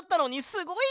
すごい！